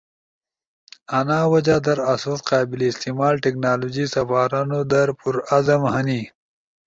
انا وجہ در آسو قابل استعمال ٹیکنالوجی سپارونو در پر عزم ہنی۔